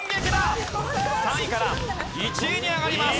３位から１位に上がります！